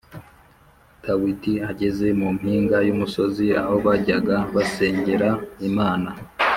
Dawidi ageze mu mpinga y’umusozi aho bajyaga basengera Imana